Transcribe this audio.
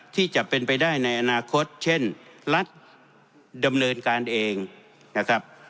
ที่จะเป็นไปได้ในอนาคตเช่นรัฐดำเนินการเองนะครับ